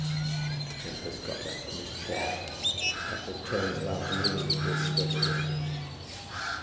Dr. Tempest got up from his chair, and took a couple of turns about the room before he spoke again.